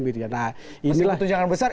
masih ada tunjangan besar